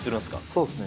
そうですね。